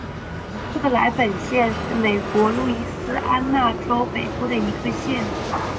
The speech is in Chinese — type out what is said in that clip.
克莱本县是美国路易斯安那州北部的一个县。